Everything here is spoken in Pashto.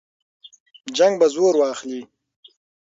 جنګ به زور واخلي.